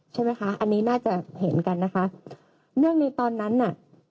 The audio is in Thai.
ใช่ไหมคะอันนี้น่าจะเห็นกันนะคะเรื่องในตอนนั้นน่ะ